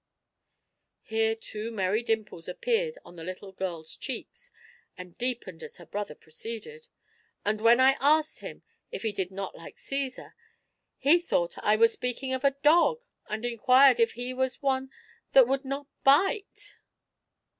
*" Here two merry dimples appeared on the little child's cheeks, and deepened as her brother proceeded: And when I asked him if he did not like Caesar, he thought that I was speaking of a dog, and inquired if he was one that would not bite